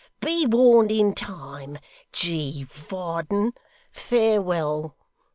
Be warned in time, G. Varden. Farewell!